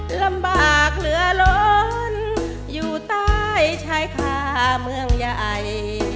ลำบากเหลือร้อนอยู่ใต้ชายคาเมืองใหญ่